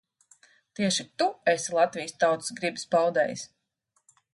Tieši tu esi Latvijas tautas gribas paudējs.